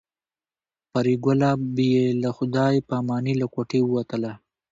پري ګله بې له خدای په امانۍ له کوټې ووتله